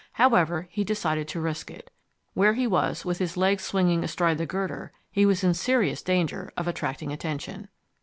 However, he decided to risk it. Where he was, with his legs swinging astride the girder, he was in serious danger of attracting attention.